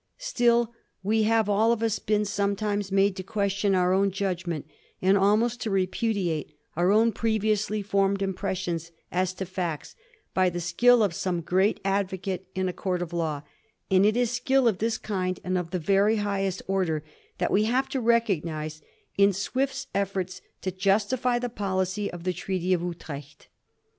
Still, we have all of us been sometimes made to question our own judgment, and almost to repudiate our own previously formed im pressions as to facts, by the skill of some great advocate in a court of law ; and it is skill of this kind, and of the very highest order, that we have ta recognise in Swift's efforts to justify the policy of the Treaty of Utrecht.